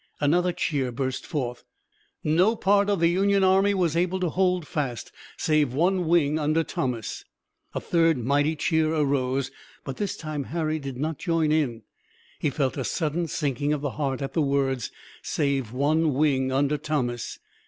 Another cheer burst forth. "No part of the Union army was able to hold fast, save one wing under Thomas." A third mighty cheer arose, but this time Harry did not join in it. He felt a sudden sinking of the heart at the words, "save one wing under Thomas."